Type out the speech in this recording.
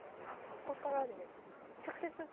ここからで直接？